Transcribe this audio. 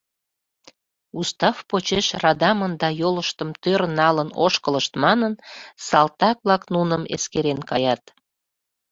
Устав почеш радамын да йолыштым тӧр налын ошкылышт манын, салтак-влак нуным эскерен каят.